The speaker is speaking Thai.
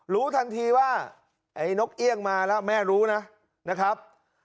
รู้ทันทีว่าไอ้นกเอี่ยงมาแล้วแม่รู้นะนะครับ